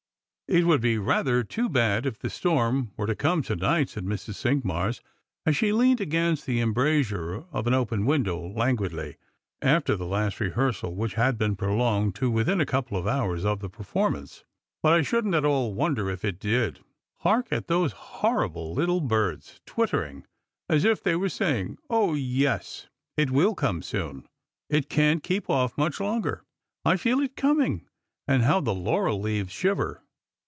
_" It would be rather too bad if the storm were to come to night," said Mrs. Cinqmars, as she leaned against the embrasure of an open window languidly, after the last rehearsal, which had been prolonged to within a couj^le of hours of the performance. " But I shouldn't at all wonder if it did. Hark at those horrible little birds twittering, as if they were saying, ' O yes, it will eome soon ; it can't keep off much longer ; I feel it coming.' And how the laurel leaves shiver."